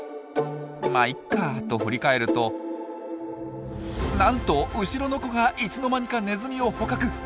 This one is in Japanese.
「まっいいか」と振り返るとなんと後ろの子がいつの間にかネズミを捕獲！